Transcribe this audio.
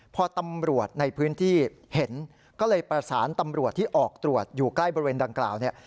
พอตำรวจในพื้นที่เห็นก็เลยประสานตำรวจที่ออกตรวจอยู่ใกล้บริเวณดังกล่าวเนี่ย